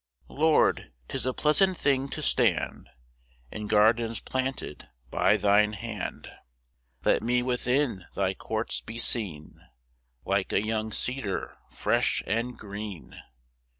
1 Lord, 'tis a pleasant thing to stand In gardens planted by thine hand; Let me within thy courts be seen Like a young cedar fresh and green.